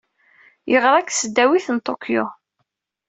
Yeɣra deg Tesdawit n Tokyo.